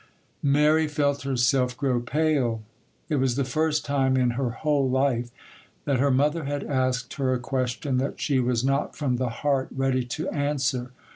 Mary felt herself grow pale: it was the first time in her whole life that her mother had asked her a question that she was not from the heart ready to answer.